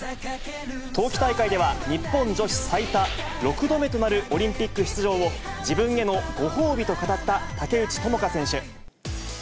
冬季大会では日本女子最多６度目となるオリンピック出場を、自分へのご褒美と語った竹内智香選手。